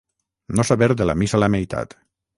No saber de la missa la meitat.